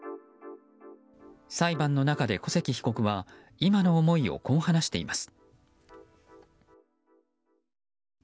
裁判の中で小関被告は今の思いをこう話しています。